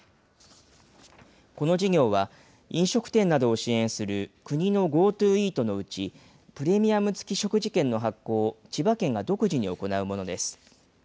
この事業は、飲食店などを支援する国のＧｏＴｏイートのうち、プレミアム付き食事券の発行を千葉県が独自に行うものです。